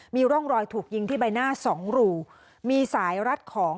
มีร่องรอยถูกยิงที่ใบหน้าสองรูมีสายรัดของ